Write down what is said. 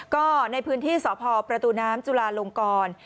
ก็ในพื้นที่สพประตูน้ำจุลาลงกร